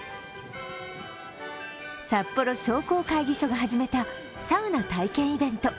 札幌商工会議所が始めたサウナ体験イベント。